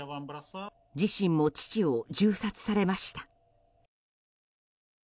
自身も父を銃殺されました。